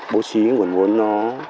bố trí nguồn vốn nó